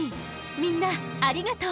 みんなありがとう！